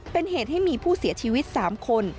เป็นเหตุให้มีผู้เสียชีวิต๓คน